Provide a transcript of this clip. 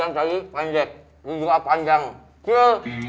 gak ada a també